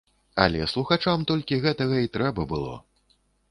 Але слухачам толькі гэтага і трэба было.